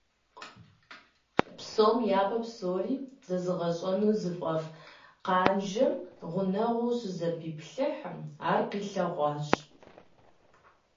Псом япэ псори зэзыгъэщӀэну зыфӀэфӀ Къанжэм гъунэгъуу щызэпиплъыхьым, ар къилъэгъуащ.